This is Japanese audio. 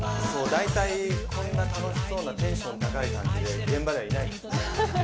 だいたいこんな楽しそうなテンション高い感じで現場ではいない。